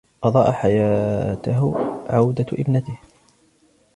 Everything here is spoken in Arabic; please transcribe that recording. أضاء حياتَه عودةُ ابنته.